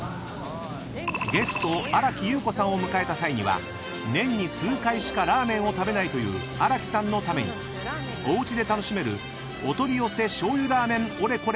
［ゲスト新木優子さんを迎えた際には年に数回しかラーメンを食べないという新木さんのためにおうちで楽しめるお取り寄せ醤油ラーメンオレコレを開催］